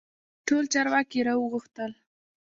ټول چارواکي را وغوښتل.